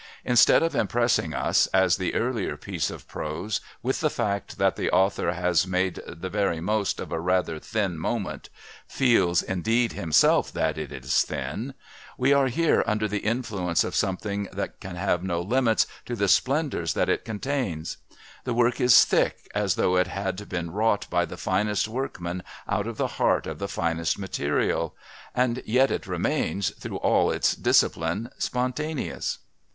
Instead of impressing us, as the earlier piece of prose, with the fact that the author has made the very most of a rather thin moment feels, indeed, himself that it is thin we are here under the influence of something that can have no limits to the splendours that it contains. The work is thick, as though it had been wrought by the finest workman out of the heart of the finest material and yet it remains, through all its discipline, spontaneous.